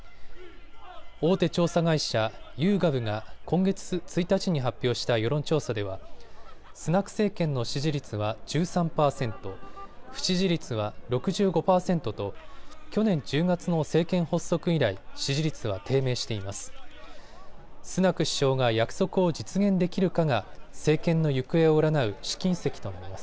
大手調査会社、ユーガブが今月１日に発表した世論調査では、スナク政権の支持率は１３％、不支持率は６５％と去年１０月の政権発足以来、支持率は低迷しています。